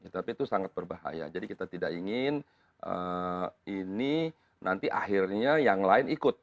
tapi itu sangat berbahaya jadi kita tidak ingin ini nanti akhirnya yang lain ikut